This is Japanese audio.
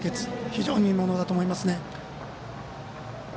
非常に見ものだと思いますね。